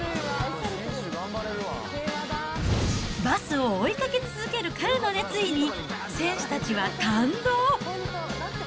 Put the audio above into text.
バスを追いかけ続ける彼の熱意に、選手たちは感動。